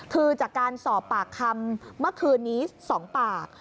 คือจากการสอบปากคำเมื่อคืนนี้๒ปาก